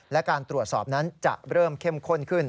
และการตรวจสอบนั้นจะเริ่มเข้มข้นขึ้น